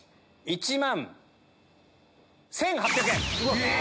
１万１８００円。